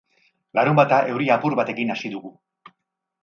Larunbata euri apur batekin hasi dugu.